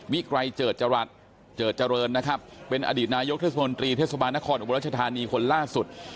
ไกรเจิดจรัสเจิดเจริญนะครับเป็นอดีตนายกเทศมนตรีเทศบาลนครอุบรัชธานีคนล่าสุด